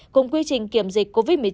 cùng quy trình kiểm dịch covid một mươi chín